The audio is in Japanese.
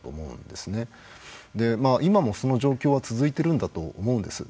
で今もその状況は続いているんだと思うんです。